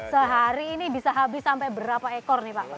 sehari ini bisa habis sampai berapa ekor nih pak